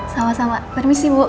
sama sama permisi bu